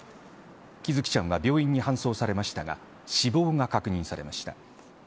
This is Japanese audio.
喜寿生ちゃんは病院に搬送されましたが死亡が確認されました。